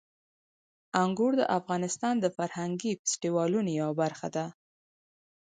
انګور د افغانستان د فرهنګي فستیوالونو یوه برخه ده.